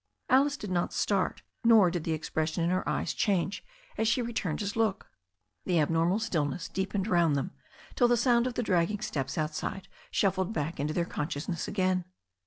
Alice did not start, nor did the expression in her eyes change as she returned his look. The abnormal stillness deepened round them till the sound of the dragging steps outside shuffled back into their con sciousness again.